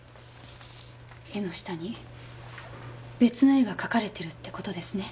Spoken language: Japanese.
絵の下に別の絵が描かれてるって事ですね。